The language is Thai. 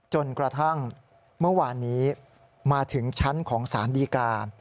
จนกระทั่งเมื่อวานนี้มาถึงชั้นของสารดีกา